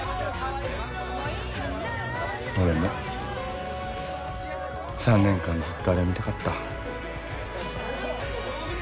俺も３年間ずっとあれが見たかった。